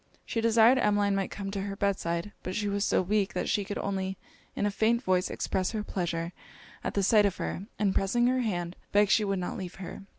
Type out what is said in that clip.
She desired Emmeline might come to her bed side: but she was so weak, that she could only in a faint voice express her pleasure at the sight of her; and pressing her hand, begged she would not leave her.